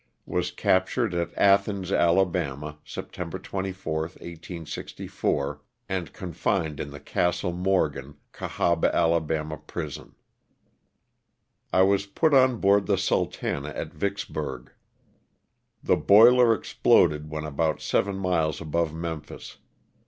Was captured at Athens, Ala., September 24, 1864, and confined in the Castle Morgan, Cahaba, Ala., prison. I was put on board the '^ Sultana " at Yicksburg. The boiler exploded when about seven miles above Memphis.